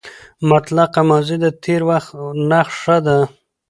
مطلقه ماضي د تېر وخت نخښه ده.